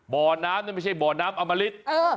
บ่อน้ำนี่ไม่ใช่บ่อน้ำอำมาลิส